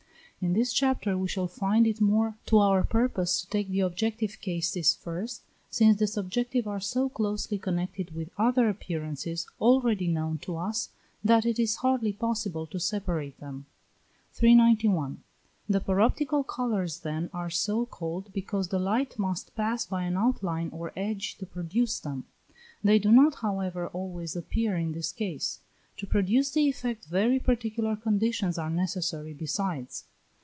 In this chapter we shall find it more to our purpose to take the objective cases first, since the subjective are so closely connected with other appearances already known to us, that it is hardly possible to separate them. 391. The paroptical colours then are so called because the light must pass by an outline or edge to produce them. They do not, however, always appear in this case; to produce the effect very particular conditions are necessary besides.